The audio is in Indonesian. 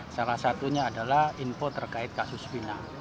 salah satunya adalah info terkait kasus pinang